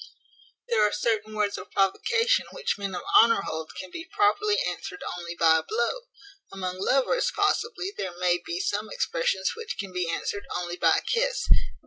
There are certain words of provocation which men of honour hold can properly be answered only by a blow. Among lovers possibly there may be some expressions which can be answered only by a kiss.